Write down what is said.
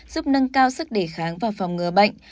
giúp nâng cao sức đề kháng và phòng ngừa bệnh